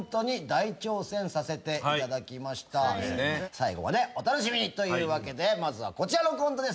最後までお楽しみにというわけでまずはこちらのコントです。